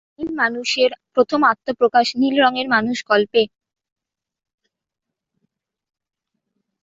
নীল মানুষের প্রথম আত্মপ্রকাশ "নীল রঙের মানুষ" গল্পে।